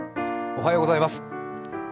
おはようございます。